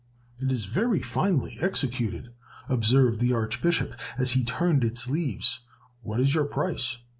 "It is very finely executed," observed the Archbishop as he turned its leaves. "What is your price?"